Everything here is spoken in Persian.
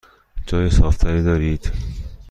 جای صاف تری دارید؟